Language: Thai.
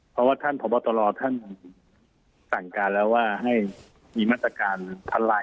เพราะว่าท่านพระบริษัทพอตลอดท่านทำการแล้วว่าให้มีมรรษการผ่านลาย